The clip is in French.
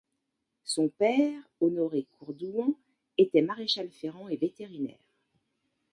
Son père, Honoré Courdouan, était maréchal-ferrant et vétérinaire.